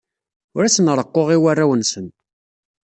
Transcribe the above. Ur asen-reqquɣ i warraw-nsen.